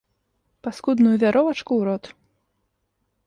Паскудную вяровачку ў рот.